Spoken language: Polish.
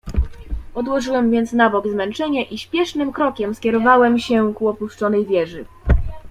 "Odłożyłem więc na bok zmęczenie i śpiesznym krokiem skierowałem się ku opuszczonej wieży."